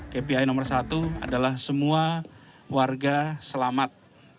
kpi nomor satu adalah semua warga selamat